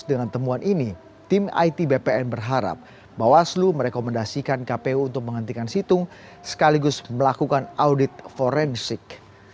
dengan temuan ini tim it bpn berharap bawaslu merekomendasikan kpu untuk menghentikan situng sekaligus melakukan audit forensik